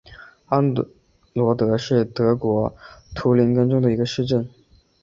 安罗德是德国图林根州的一个市镇。